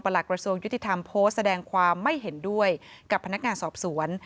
หลักกระทรวงยุติธรรมโพสต์แสดงความไม่เห็นด้วยกับพนักงานสอบสวน